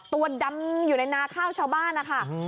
ตัวดำอยู่ในนาข้าวชาวบ้านนะคะ